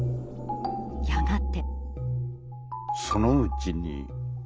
やがて。